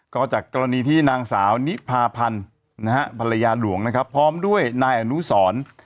ก็จากกรณีที่นางสาวนิพาพันธ์นะฮะภรรยาหลวงนะครับพร้อมด้วยนายอนุสร